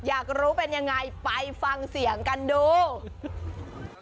อยากรู้เป็นยังไงไปฟังเสียงกันดู